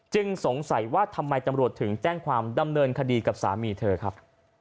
สงสัยว่าทำไมตำรวจถึงแจ้งความดำเนินคดีกับสามีเธอครับ